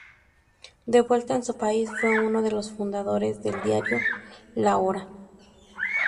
De vuelta en su país, fue uno de los fundadores del diario "La Hora".